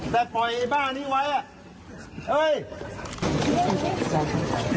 แต่ปล่อยไอ้บ้านนี้ไว้อ่ะเอ้ย